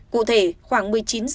cụ thể khoảng một mươi chín h